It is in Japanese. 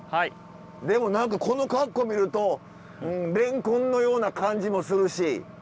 でも何かこの格好見るとれんこんのような感じもするし。